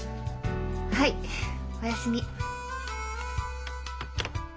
はいおやすみ。